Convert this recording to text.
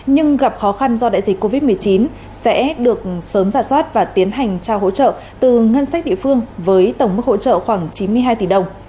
nhưng gặp khó khăn do đại dịch covid một mươi chín sẽ được sớm giả soát và tiến hành trao hỗ trợ từ ngân sách địa phương với tổng mức hỗ trợ khoảng chín mươi hai tỷ đồng